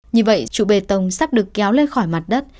như vậy trụ bê tông sắp được kéo lên khỏi mặt đất